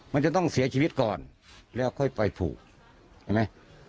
มันจะต้องเสียชีวิตก่อนแล้วค่อยไปผูกเห็นไหม